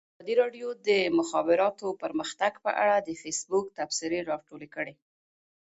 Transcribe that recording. ازادي راډیو د د مخابراتو پرمختګ په اړه د فیسبوک تبصرې راټولې کړي.